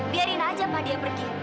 biarin aja mbak dia pergi